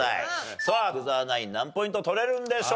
さあ福澤ナイン何ポイント取れるんでしょうか？